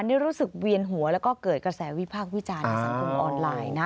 นี่รู้สึกเวียนหัวแล้วก็เกิดกระแสวิพากษ์วิจารณ์ในสังคมออนไลน์นะ